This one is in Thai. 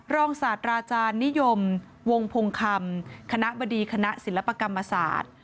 ศาสตราอาจารย์นิยมวงพงคำคณะบดีคณะศิลปกรรมศาสตร์